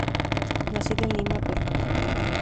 Nacida en Lima, Perú.